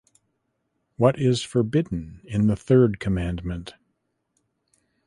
What is forbidden in the third commandment?